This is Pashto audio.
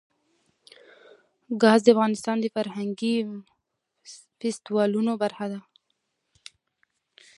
ګاز د افغانستان د فرهنګي فستیوالونو برخه ده.